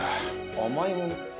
甘いもの？